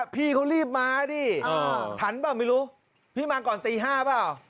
พี่เขารีบมาดิถันเปล่าไม่รู้พี่มาก่อนตี๕เปล่า